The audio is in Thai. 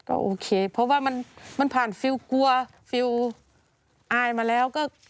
โอเคเพราะว่ามันผ่านกลัวอายมาแล้ว